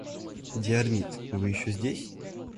Диармид, вы еще здесь?